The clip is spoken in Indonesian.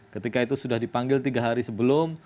ketika itu sudah dipanggil tiga hari sebelum